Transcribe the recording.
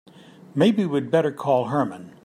Maybe we'd better call Herman.